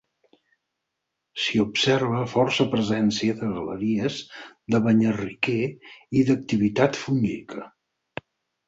S'hi observa força presència de galeries de banyarriquer i d'activitat fúngica.